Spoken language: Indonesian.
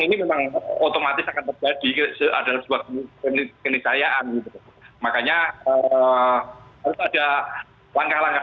ini memang otomatis akan terjadi adalah sebuah kenisayaan gitu makanya harus ada langkah langkah